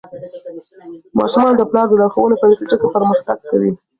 ماشومان د پلار د لارښوونو په نتیجه کې پرمختګ کوي.